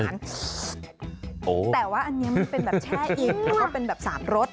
แต่ว่าอันนี้มันเป็นแบบแช่อิ่มแล้วก็เป็นแบบ๓รส